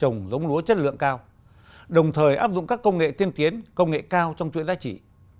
trồng giống lúa chất lượng cao đồng thời áp dụng các công nghệ tiên tiến công nghệ cao trong chuỗi giá trị